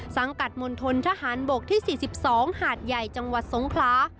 สังกัดมณฑนทหารบกที่๔๒หาดใหญ่จังหวัดสงคลา